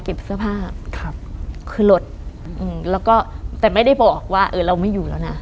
เก็บเสื้อผ้าขึ้นหลดแล้วก็แต่ไม่ได้บอกว่าเออเราไม่อยู่แล้วนะ